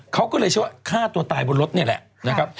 เขาก็เลยเชื่อว่าฆ่าตัวตายบนรถนี่แหละนะครับ